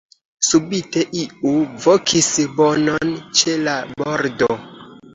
Subite iu vokis bonon ĉe la bordo.